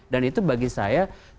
dan itu bagi saya tentu akan menjadi